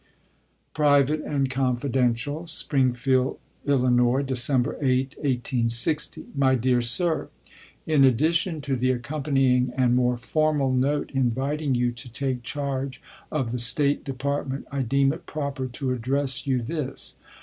(Private and confidential.) Springfield, III., December 8, 1860. My Dear Sir : In addition to the accompanying and more formal note inviting you to take charge of the State Department, I deem it proper to address you this.